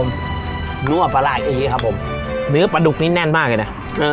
ง่วงสละอีกครับผมเนื้อปลาดุกนิดแน่นมากเลยนะ